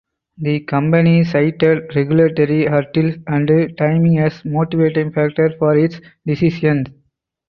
The company cited regulatory hurdles and timing as motivating factors for its decision.